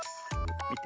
みて。